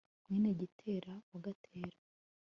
mwene gitera wa gatera